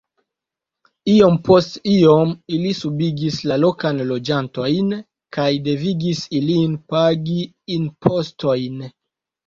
Iom post iom ili subigis la lokan loĝantojn kaj devigis ilin pagi impostojn.